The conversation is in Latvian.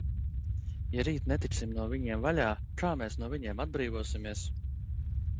Ja rīt netiksim no viņiem vaļā, kā mēs no viņiem atbrīvosimies?